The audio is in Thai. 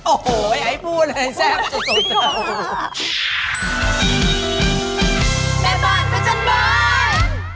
โอ้โหไอ้พูดไอ้แซ่บจริงจริงเหรอ